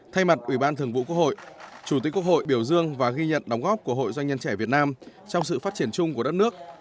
thay mặt ủy ban thường vụ quốc hội chủ tịch quốc hội biểu dương và ghi nhận đóng góp của hội doanh nhân trẻ việt nam trong sự phát triển chung của đất nước